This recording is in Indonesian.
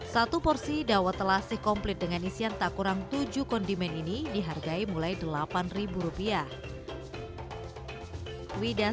satu porsi dawet telasi komplit dengan isian tak kurang tujuh kondimen ini dihargai mulai delapan ribu rupiah